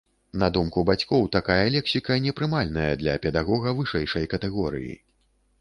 На думку бацькоў, такая лексіка непрымальная для педагога вышэйшай катэгорыі.